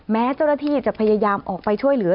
แม้เจ้าหน้าที่จะพยายามออกไปช่วยเหลือ